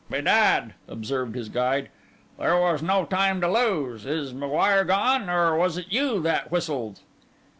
'Bedad,' observed his guide, 'there was no time to lose. Is M'Guire gone, or was it you that whistled?